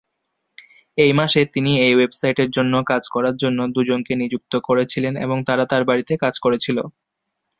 এই মাসে তিনি এই ওয়েবসাইটের জন্য কাজ করার জন্য দুজনকে নিযুক্ত করেছিলেন এবং তারা তার বাড়িতে কাজ করেছিল।